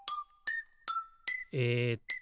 えっと